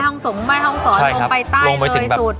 แม่ห้องสวนแม่ห้องสวนลงไปใต้เลยสุด